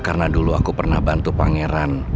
karena harus kalo baru sendiri